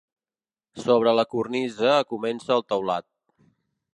Sobre la cornisa comença el teulat.